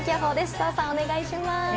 澤さん、お願いします。